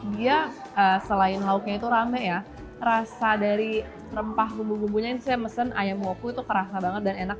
dia selain lauknya itu rame ya rasa dari rempah bumbu bumbunya ini saya mesen ayam wopu itu kerasa banget dan enak